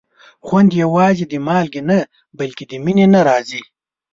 خوند یوازې د مالګې نه، بلکې د مینې نه راځي.